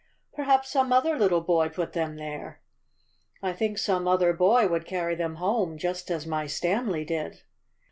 "Perhaps some other little boy put them there." "I think some other boy would carry them home, just as my Stanley did."